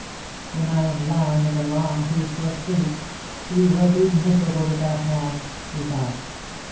" When I am lying in the long peaceful sleep, she will be miserable with that man,^' he thought.